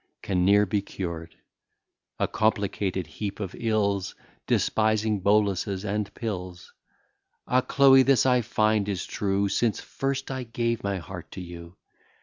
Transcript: can ne'er be cured; A complicated heap of ills, Despising boluses and pills. Ah! Chloe, this I find is true, Since first I gave my heart to you.